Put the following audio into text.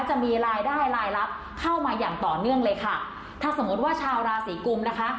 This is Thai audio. จะมีรายได้รายลับเข้ามาอย่างต่อเนื่องเลยค่ะถ้าสมมติว่าชาวราศีกุมนะคะ